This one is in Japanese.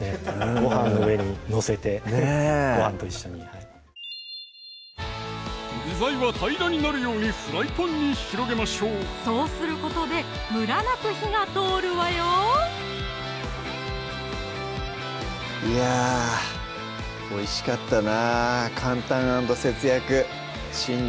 ごはんの上に載せてごはんと一緒に具材は平らになるようにフライパンに広げましょうそうすることでムラなく火が通るわよいやおいしかったな「簡単＆節約」新年